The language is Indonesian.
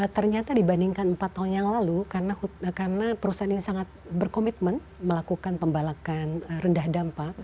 ternyata dibandingkan empat tahun yang lalu karena perusahaan ini sangat berkomitmen melakukan pembalakan rendah dampak